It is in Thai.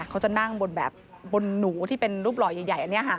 เขาจะนั่งบนแบบบนหนูที่เป็นรูปหล่อใหญ่อันนี้ค่ะ